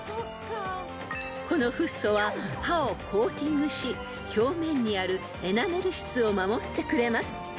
［このフッ素は歯をコーティングし表面にあるエナメル質を守ってくれます］